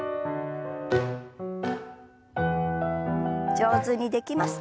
上手にできますか？